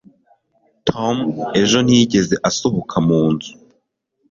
tom ejo ntiyigeze asohoka mu nzu